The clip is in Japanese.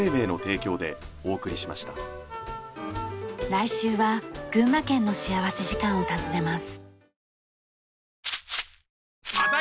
来週は群馬県の幸福時間を訪ねます。